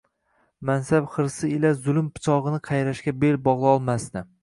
mansab hirsi ila zulm pichog’ini qayrashga bel bog’lolmasdi.